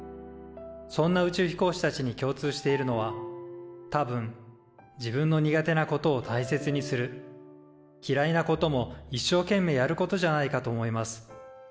そんな宇宙飛行士たちに共通しているのは多分自分の苦手なことを大切にするきらいなこともいっしょうけんめいやることじゃないかと思います。